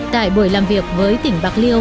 tại buổi làm việc với tỉnh bạc liêu